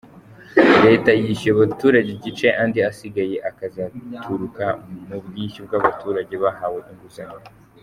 Leta yishyuye abaturage igice andi asigaye akazaturuka mu bwishyu bw’abaturage bahawe inguzanyo.